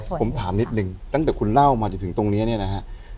ส่วนหนึ่งผมถามนิดหนึ่งตั้งแต่คุณเล่ามาจนถึงตรงเนี้ยเนี้ยนะฮะ